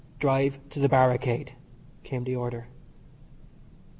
"Drive to the barricade," came the order.